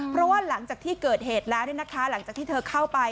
เพราะว่าหลังจากที่เกิดเหตุแล้วหลังจากที่เธอเข้าไป